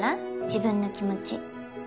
自分の気持ち。